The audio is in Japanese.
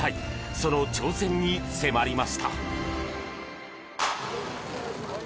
その挑戦に迫りました。